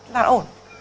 là nó ổn